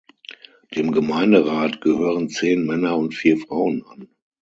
Dem Gemeinderat gehören zehn Männer und vier Frauen an.